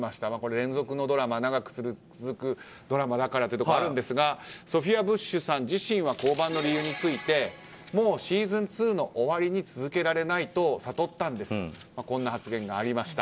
連続のドラマ、長く続くドラマだからというところがあるんですがソフィア・ブッシュさん自身は降板の理由についてもうシーズン２の終わりに続けられないと悟ったんですとこんな発言がありました。